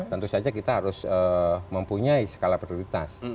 tentu saja kita harus mempunyai skala prioritas